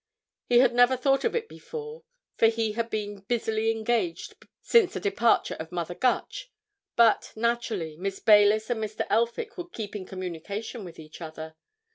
He had never thought of it before, for he had been busily engaged since the departure of Mother Gutch; but, naturally, Miss Baylis and Mr. Elphick would keep in communication with each other.